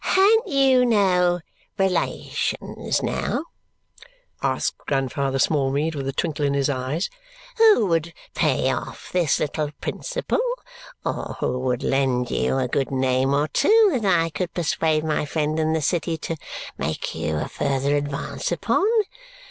"Ha'n't you no relations, now," asks Grandfather Smallweed with a twinkle in his eyes, "who would pay off this little principal or who would lend you a good name or two that I could persuade my friend in the city to make you a further advance upon?